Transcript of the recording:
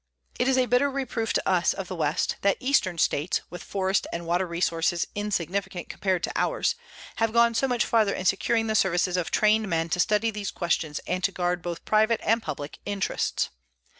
It is a bitter reproof to us of the West that Eastern states, with forest and water resources insignificant compared to ours, have gone so much farther in securing the services of trained men to study these questions and to guard both private and public interests.